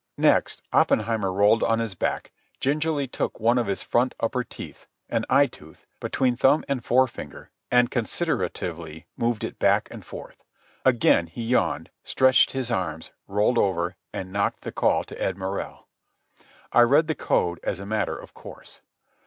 Next, Oppenheimer rolled on his back, gingerly took one of his front upper teeth—an eye tooth—between thumb and forefinger, and consideratively moved it back and forth. Again he yawned, stretched his arms, rolled over, and knocked the call to Ed Morrell. I read the code as a matter of course.